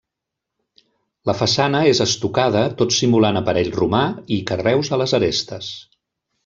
La façana és estucada tot simulant aparell romà i carreus a les arestes.